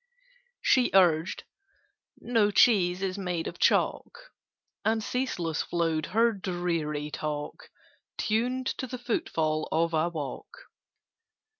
She urged "No cheese is made of chalk": And ceaseless flowed her dreary talk, Tuned to the footfall of a walk.